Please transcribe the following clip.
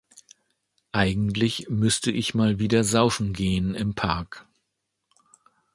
Eigentlich müsste ich wieder mal saufen gehen im Park.